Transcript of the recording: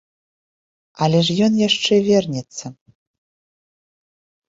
Але ж ён яшчэ вернецца.